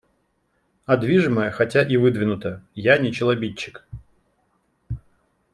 А движимое хотя и выдвинуто, я не челобитчик.